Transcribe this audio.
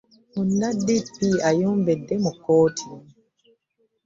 Munna DP ayombedde mu kkooti.